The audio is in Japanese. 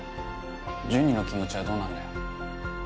ジュニの気持ちはどうなんだよ。